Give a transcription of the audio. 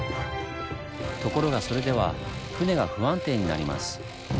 ところがそれでは船が不安定になります。